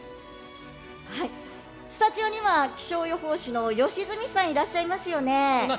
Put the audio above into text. スタジオには気象予報士の良純さんいらっしゃいますよね。